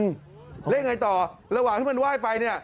เรื่องยังไงต่อระหว่างที่มันไหว้ไปนี่